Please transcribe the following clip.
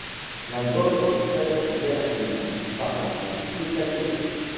L'album est très bien accueilli par la critique spécialisée.